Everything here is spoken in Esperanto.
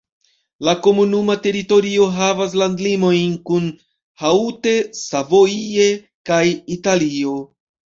La komunuma teritorio havas landlimojn kun Haute-Savoie kaj Italio.